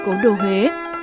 của đô huế